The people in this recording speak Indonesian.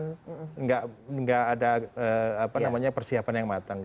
tidak ada persiapan yang matang